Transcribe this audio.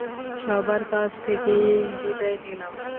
সবার কাছ থেকেই বিদায় নিলাম।